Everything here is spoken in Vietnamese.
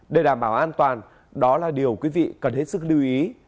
để đảm bảo an toàn đó là điều quý vị cần hết sức lưu ý